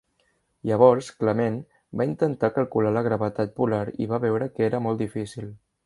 Llavors Clement va intentar calcular la gravetat polar i va veure que era molt difícil.